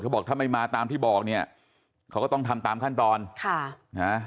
บอกถ้าไม่มาตามที่บอกเนี่ยเขาก็ต้องทำตามขั้นตอนค่ะนะ